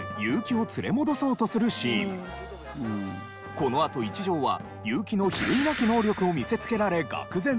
このあと一条は結城の比類なき能力を見せつけられ愕然とします。